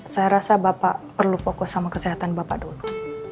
saya rasa bapak perlu fokus sama kesehatan bapak dulu